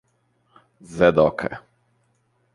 zé Doca